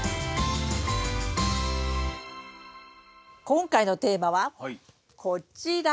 今回のテーマはこちら。